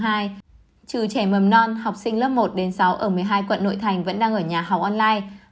trừ trẻ mầm non học sinh lớp một đến sáu ở một mươi hai quận nội thành vẫn đang ở nhà học online